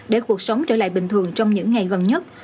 để cuộc sống trở lại bình thường trong những ngày gần nhất